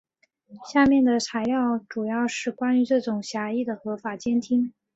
下面的材料主要是关于这种狭义的合法监听。